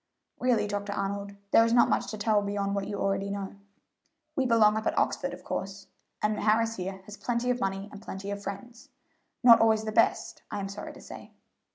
"Really, Dr. Arnold, there is not much to tell beyond what you already know. We belong up at Oxford, of course, and Harris here has plenty of money and plenty of friends not always the best, I am sorry to say.